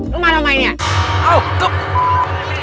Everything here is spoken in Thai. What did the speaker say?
ต้องมาทำไมเนี่ย